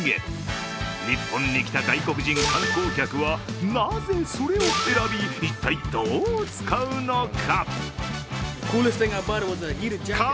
日本に来た外国人観光客は、なぜそれを選び、一体どう使うのか。